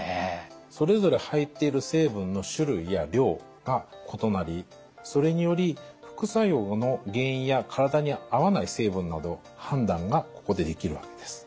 それぞれ入っている成分の種類や量が異なりそれにより副作用の原因や体に合わない成分など判断がここでできるわけです。